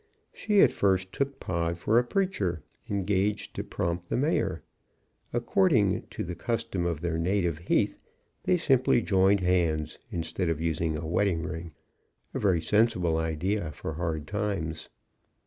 She at first took Pod for a preacher, engaged to prompt the Mayor. According to the custom of their native heath, they simply joined hands, instead of using a wedding ring, a very sensible idea, for hard times.